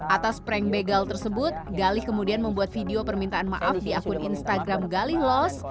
atas prank begal tersebut galih kemudian membuat video permintaan maaf di akun instagram galih lost